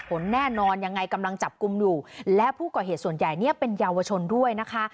ผลแน่นอนยังไงกำลังจับกลุ่มอยู่และผู้ก่อเหตุส่วนใหญ่เนี่ยเป็นเยาวชนด้วยนะคะ